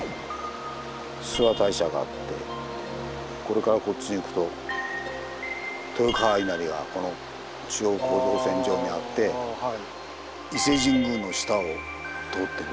諏訪大社があってこれからこっちに行くと豊川稲荷がこの中央構造線上にあって伊勢神宮の下を通ってる。